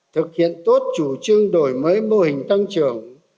thực hiện tốt chủ trương đổi mới mô hình tăng trưởng